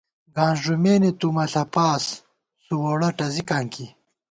گانس ݫُمېنے تُو مہ ݪپاس ، سُو ووڑہ ٹَزِکاں کی